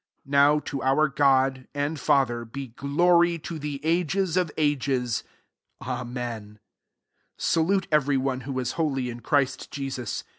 20 Nov to our God, and Father, be glory to the ages of ages* Ami^u 21 Salutb every one tvA^ i» holy in Christ Jesu«.